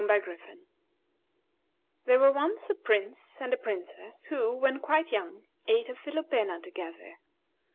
There were once a Prince and a Princess who, when quite young, ate a philopena together.